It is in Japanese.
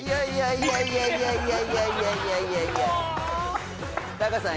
いやいやいやいやいやいやいやいやタカさん